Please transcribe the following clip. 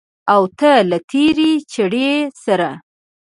او ته له تېرې چړې سره